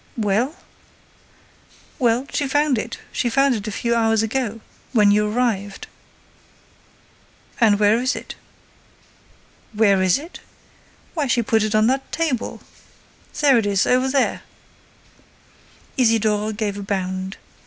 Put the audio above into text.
"Well?" "Well, she found it; she found it a few hours ago. When you arrived—" "And where is it?" "Where is it? Why, she put it on that table—there it is—over there—" Isidore gave a bound.